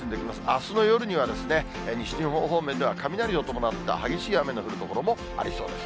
あすの夜には西日本方面では雷を伴った激しい雨の降る所もありそうです。